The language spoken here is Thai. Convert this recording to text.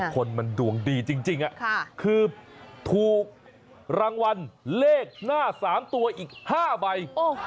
คนมันดวงดีจริงคือถูกรางวัลเลขหน้า๓ตัวอีก๕ใบ